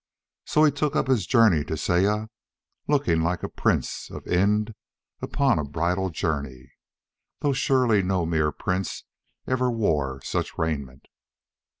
So he took up his journey to Saya looking like a prince of Ind upon a bridal journey though surely no mere prince ever wore such raiment.